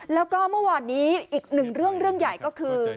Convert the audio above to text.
แล้วก็เมื่อวานนี้อีกหนึ่งเรื่องเรื่องใหญ่ก็คือ